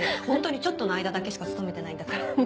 ホントにちょっとの間だけしか勤めてないんだから。